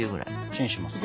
チンしますか。